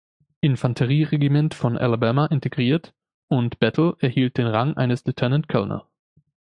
Infanterie-Regiment von Alabama integriert und Battle erhielt den Rang eines Lieutenant Colonel.